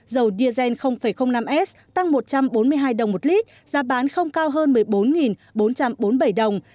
dầu diesel năm s tăng một trăm bốn mươi hai đồng một lít giá bán không cao hơn một mươi bốn bốn trăm bốn mươi bảy đồng